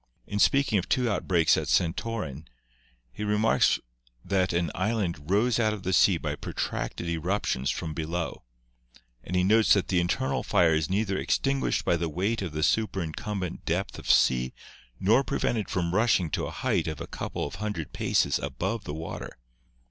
In speaking of two outbreaks at Santorin, he remarks that an island rose out of the sea by protracted eruptions from below, and he notes that the internal fire is neither extin guished by the weight of the superincumbent depth of sea nor prevented from rushing to a height of a couple of hundred paces above the water.